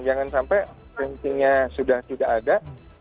jangan sampai tensinya sudah tidak ada